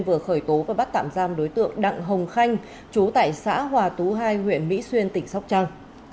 vừa khởi tố và bắt tạm giam đối tượng đặng hồng khanh chú tại xã hòa tú hai huyện mỹ xuyên tỉnh sóc trăng